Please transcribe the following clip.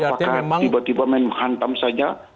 apakah tiba tiba main hantam saja